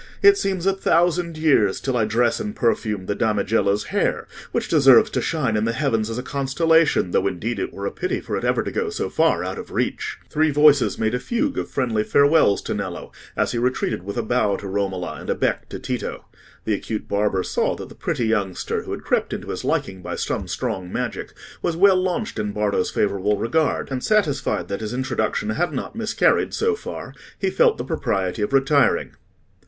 It seems a thousand years till I dress and perfume the damigella's hair, which deserves to shine in the heavens as a constellation, though indeed it were a pity for it ever to go so far out of reach." Three voices made a fugue of friendly farewells to Nello, as he retreated with a bow to Romola and a beck to Tito. The acute barber saw that the pretty youngster, who had crept into his liking by some strong magic, was well launched in Bardo's favourable regard; and satisfied that his introduction had not miscarried so far, he felt the propriety of retiring.